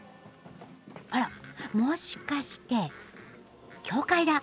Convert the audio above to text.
あらもしかして教会だ。